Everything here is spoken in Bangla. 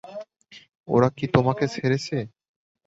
ওরা কি তোমাকে ছেড়েছে?